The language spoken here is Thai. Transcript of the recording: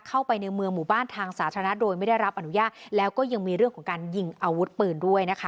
เข้าไปในเมืองหมู่บ้านทางสาธารณะโดยไม่ได้รับอนุญาตแล้วก็ยังมีเรื่องของการยิงอาวุธปืนด้วยนะคะ